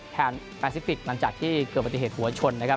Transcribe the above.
แผนปาซิฟิกเมื่อต้องเกิดพอโตชนนะครับ